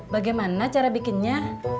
bagaimana cara bikinnya